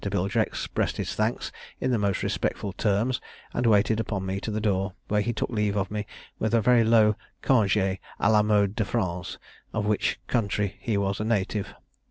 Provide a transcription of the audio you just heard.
Bilger expressed his thanks in the most respectful terms, and waited upon me to the door, where he took leave of me with a very low congé, Ã la mode de France, of which country he was a native.